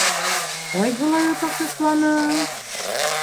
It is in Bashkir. —Ҡайһылай оҙаҡ йоҡланың!